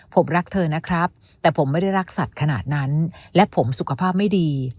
ผมรักเธอนะครับแต่ผมไม่ได้รักสัตว์ขนาดนั้นและผมสุขภาพไม่ดี